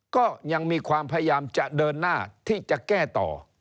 ก็ยังมีความพยายามจะเดินหน้าที่จะแก้ต่อ